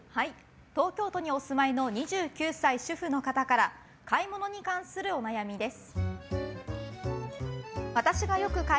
東京都にお住まいの２９歳主婦の方から買い物関するお悩みです。